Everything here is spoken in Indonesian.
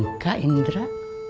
nggak nyangka indra